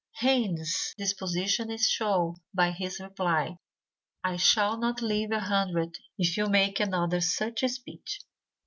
Hayne's disposition is shown by his reply: "I shall not live a hundred if you make another such a speech."